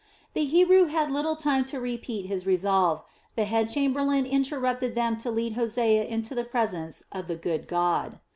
The Hebrew had little time to repeat his resolve; the head chamberlain interrupted them to lead Hosea into the presence of the "good god."